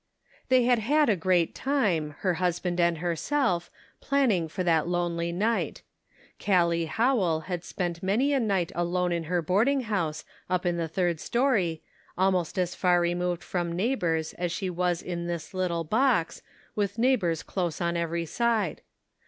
They had had a great time, her husband and herself, planning for that lonely night. Gallic Howell had spent many a night alone in her boarding house, up in the third story, almost as far removed from neighbors as she was in this little box, with neighbors close on every side.